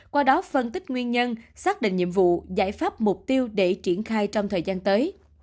qua đó phân tích nguyên nhân xác định nhiệm vụ giải pháp mục tiêu để triển khai trong thời gian tới